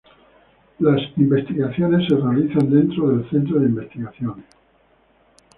Las investigaciones se realizan dentro del centro de investigaciones.